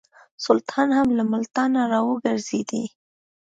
سلطان هم له ملتانه را وګرځېدی.